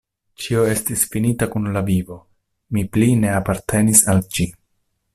Ĉio estis finita kun la vivo: mi pli ne apartenis al ĝi.